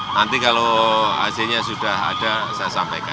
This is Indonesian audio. nanti kalau azia nya sudah ada saya sampaikan